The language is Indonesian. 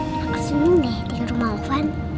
nelas ini deh tinggal di rumah ovang